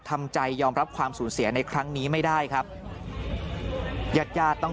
ทำใจยอมรับความสูญเสียในครั้งนี้ไม่ได้ครับญาติญาติต้อง